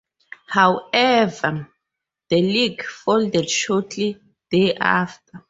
However, the league folded shortly thereafter.